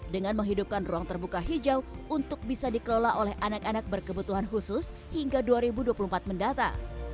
dengan menghidupkan ruang terbuka hijau untuk bisa dikelola oleh anak anak berkebutuhan khusus hingga dua ribu dua puluh empat mendata